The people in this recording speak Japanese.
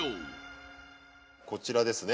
こちらですね